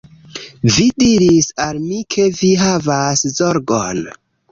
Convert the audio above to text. Vi diris al mi ke vi havas zorgon